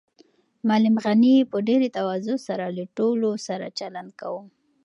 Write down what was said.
معلم غني په ډېرې تواضع سره له ټولو سره چلند کاوه.